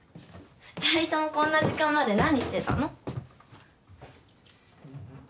２人ともこんな時間まで何してたの？